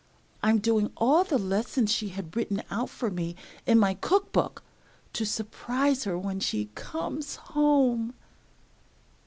I'm doing all the lessons she had written out for me in my cook book to surprise her when she comes home!"